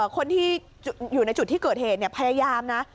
คนที่อยู่ในจุดที่เกิดเหตุพยายามนะ